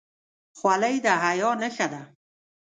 خولۍ د حیا نښه ده.